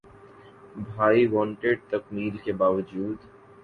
’بھائی وانٹڈ‘ تکمیل کے باوجود